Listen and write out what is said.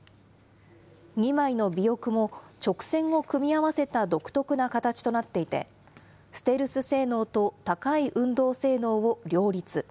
２枚の尾翼も直線を組み合わせた独特な形となっていて、ステルス性能と高い運動性能を両立。